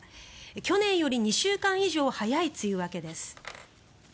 去年より２週間以上早い梅雨明けです。